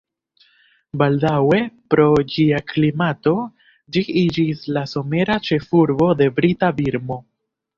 Baldaŭe pro ĝia klimato ĝi iĝis la somera ĉefurbo de brita Birmo.